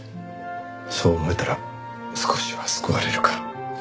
そう思えたら少しは救われるか。